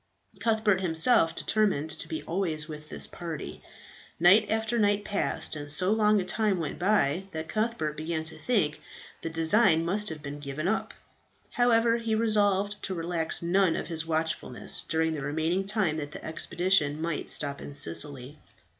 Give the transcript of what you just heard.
Cuthbert himself determined to be always with this party. Night after night passed, and so long a time went by that Cuthbert began to think the design must have been given up. However, he resolved to relax none of his watchfulness during the remaining time that the expedition might stop in Sicily.